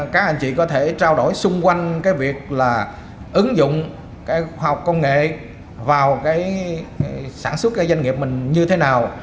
các anh chị có thể trao đổi xung quanh cái việc là ứng dụng cái khoa học công nghệ vào cái sản xuất cái doanh nghiệp mình như thế nào